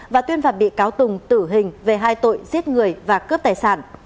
và tuyên phạt bị cáo tùng tử hình về hai tội giết người và cướp tài sản